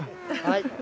はい。